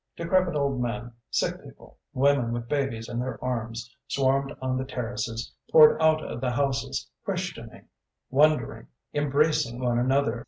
Decrepit old men, sick people, women with babies in their arms, swarmed on the terraces, poured out of the houses, questioning, wondering, embracing one another...